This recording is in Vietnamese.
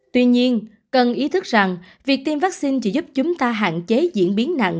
tuy nhiên cần ý thức rằng việc tiêm vaccine chỉ giúp chúng ta hạn chế diễn biến nặng